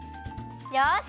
よし！